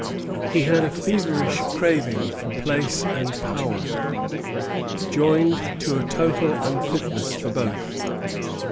He had a feverish craving for place and power, joined to a total unfitness for both.